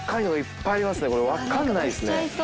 これ分かんないっすね。